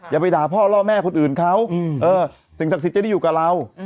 อย่าไปด่าพ่อล่อแม่คนอื่นเขาสิ่งศักดิ์สิทธิ์จะได้อยู่กับเรา